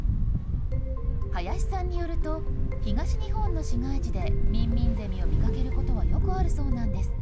林さんによると、東日本の市街地でミンミンゼミを見かけることはよくあるそうなんです。